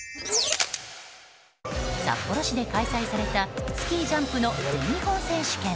札幌市で開催されたスキージャンプの全日本選手権。